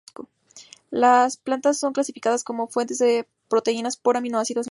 Las plantas son clasificadas como fuentes de proteínas por sus aminoácidos limitantes.